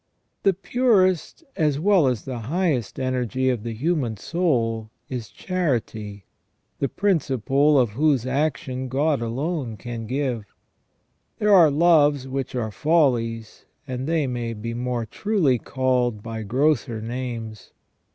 The purest as well as the highest energy of the human soul is I40 SELF AND CONSCIENCE. charity, the principle of whose action God alone can give. There are loves which are follies, and they may be more truly called by grosser names.